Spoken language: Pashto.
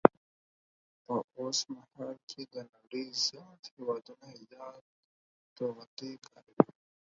په اوسمهال کې د نړۍ زیات هیوادونه یاد توغندي کاروي